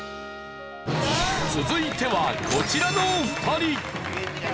続いてはこちらの２人。